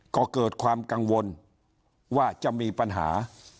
ก็เกิดความกังวลว่าจะมีปัญหา